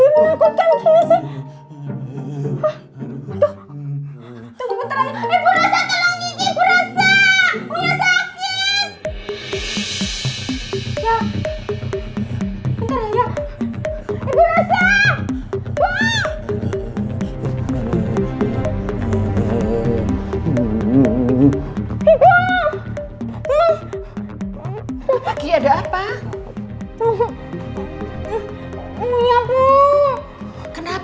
sampai jumpa di yayasan